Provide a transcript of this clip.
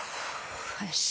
よし！